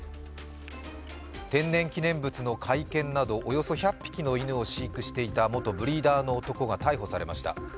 天然記念物の甲斐犬などおよそ１００匹の犬を飼育していた元ブリーダーの男が逮捕されました。